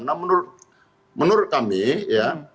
nah menurut kami ya